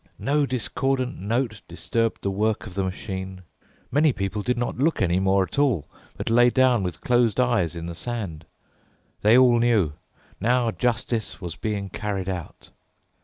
No discordant note disturbed the work of the machine. Many people did not look any more at all, but lay down with closed eyes in the sand. They all knew: now justice was being carried out.